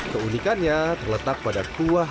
keunikannya terletak pada kupat tahu magelang